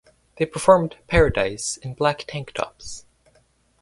They performed "Paradise" in black tank tops.